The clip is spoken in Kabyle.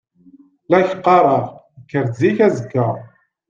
La ak-d-qqareɣ, kker-d zik azekka.